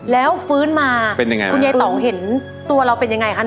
แล้วฟื้นมาคุณยายต่อเห็นตัวเราเป็นยังไงค่ะ